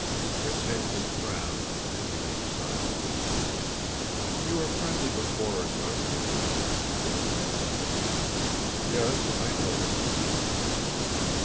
Prince Andrew frowned and remained silent. "You are friendly with Borís, aren't you?" asked Véra. "Yes, I know him...."